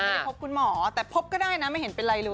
ไม่ได้พบคุณหมอแต่พบก็ได้นะไม่เห็นเป็นไรเลย